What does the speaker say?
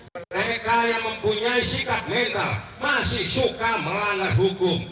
mereka yang mempunyai sikap mental masih suka melanggar hukum